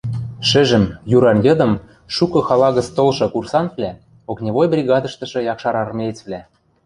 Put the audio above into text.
Шӹжӹм, юран йыдым, шукы хала гӹц толшы курсантвлӓ, огневой бригадыштышы якшарармеецвлӓ